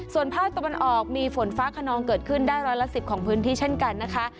ส่วนภาคตะวันออกมีฝนฟ้าขนองเกิดขึ้นได้ร้อยละ๑๐ของพื้นที่เช่นกันนะคะ